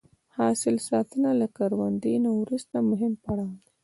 د حاصل ساتنه له کروندې نه وروسته مهم پړاو دی.